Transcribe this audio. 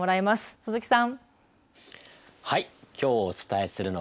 鈴木さん。